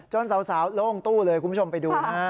สาวโล่งตู้เลยคุณผู้ชมไปดูนะฮะ